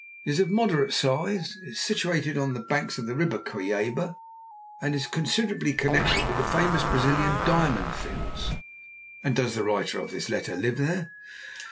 It is of moderate size, is situated on the banks of the river Cuyaba, and is considerably connected with the famous Brazilian Diamond Fields." "And does the writer of this letter live there?"